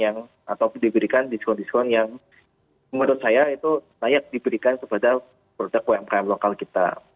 atau diberikan diskon diskon yang menurut saya itu layak diberikan kepada produk umkm lokal kita